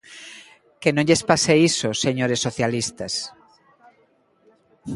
Que non lles pase iso, señores socialistas.